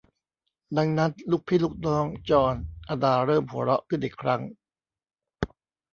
ดังนั้น ลูกพี่ลูกน้องจอร์น อดาเริ่มหัวเราะขึ้นอีกครั้ง